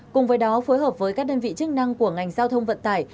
cùng với đó phối hợp với các đơn vị chức năng của ngành giao thông vận tải